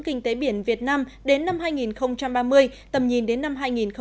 kinh tế biển việt nam đến năm hai nghìn ba mươi tầm nhìn đến năm hai nghìn bốn mươi năm